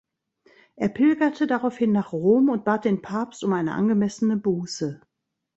Er pilgerte daraufhin nach Rom und bat den Papst um eine angemessene Buße.